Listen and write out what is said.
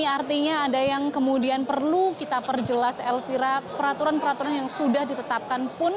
artinya ada yang kemudian perlu kita perjelas elvira peraturan peraturan yang sudah ditetapkan pun